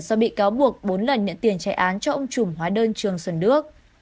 do bị cáo buộc bốn lần nhận tiền trái án cho ông trùm hóa đơn trường xuân đức